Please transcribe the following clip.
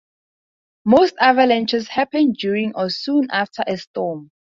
Most avalanches happen during or soon after a storm.